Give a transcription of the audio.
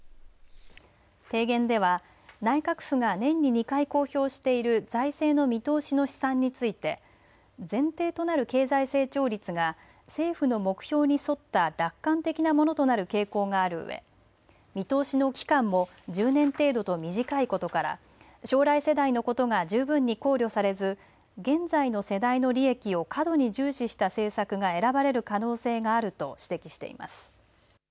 提言では内閣府が年に２回公表している財政の見通しの試算について前提となる経済成長率が政府の目標に沿った楽観的なものとなる傾向があるうえ見通しの期間も１０年程度と短いことから将来世代のことが十分に考慮されず現在の世代の利益を過度に重視した政策が選ばれる可能性があると指摘しています。